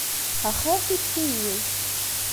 Axiṛ tikti-iw.